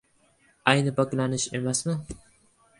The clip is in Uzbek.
Ayni poklanish emasmi?!